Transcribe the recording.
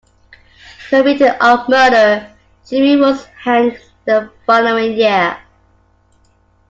Convicted of murder, Jimmy was hanged the following year.